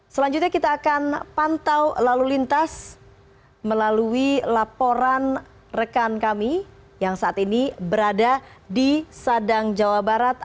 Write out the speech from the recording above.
selanjutnya kita akan pantau lalu lintas melalui laporan rekan kami yang saat ini berada di sadang jawa barat